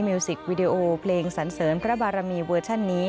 สิกวิดีโอเพลงสันเสริมพระบารมีเวอร์ชันนี้